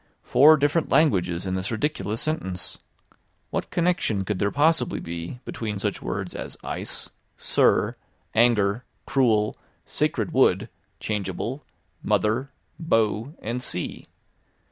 Four different languages in this ridiculous sentence! What connection could there possibly be between such words as ice, sir, anger, cruel, sacred wood, changeable, mother, bow, and sea?